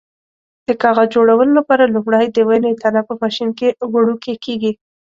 د کاغذ جوړولو لپاره لومړی د ونې تنه په ماشین کې وړوکی کېږي.